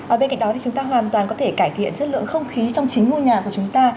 ở bên cạnh đó thì chúng ta hoàn toàn có thể cải thiện chất lượng không khí trong chính ngôi nhà của chúng ta